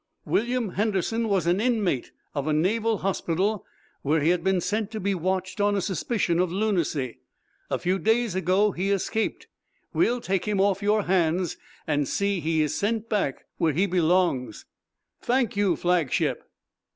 "William Henderson was an inmate of a naval hospital, where he had been sent to be watched on a suspicion of lunacy. A few days ago he escaped. We'll take him off your hands and see he is sent back where he belongs." "Thank you, flagship."